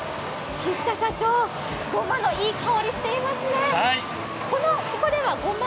木下社長、ごまのいい香りがしていますね。